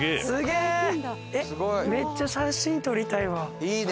えっめっちゃ写真撮りたいわ。